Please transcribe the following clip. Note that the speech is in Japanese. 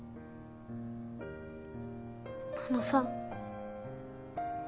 あのさ。